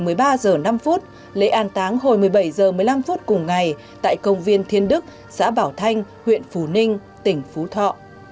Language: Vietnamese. hồi một mươi ba h năm lễ an táng hồi một mươi bảy h một mươi năm phút cùng ngày tại công viên thiên đức xã bảo thanh huyện phú ninh tỉnh phú thọ